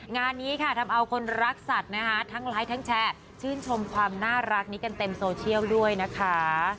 งานนี้ค่ะทำเอาคนรักสัตว์นะคะทั้งไลค์ทั้งแชร์ชื่นชมความน่ารักนี้กันเต็มโซเชียลด้วยนะคะ